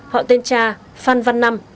họ tên cha phan văn năm